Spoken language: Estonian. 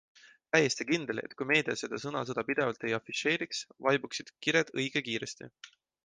Täiesti kindel, et kui meedia seda sõnasõda pidevalt ei afišeeriks, vaibuksid kired õige kiiresti.